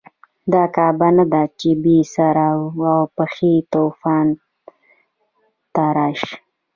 دا کعبه نه ده چې بې سر و پښې طواف ته راشې.